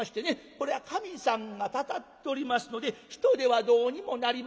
「こりゃ神さんがたたっておりますので人ではどうにもなりません」